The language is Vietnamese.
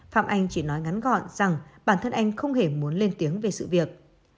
phạm anh chỉ nói ngắn gọn rằng bản thân anh không hề muốn lên tiếng về sự việc